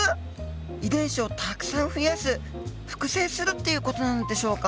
遺伝子をたくさん増やす複製するっていう事なのでしょうか？